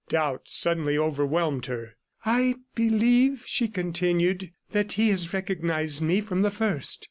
Doubt suddenly overwhelmed her. "I believe," she continued, "that he has recognized me from the first.